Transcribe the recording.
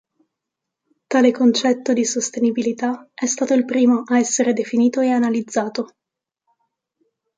Tale concetto di sostenibilità è stato il primo a essere definito e analizzato.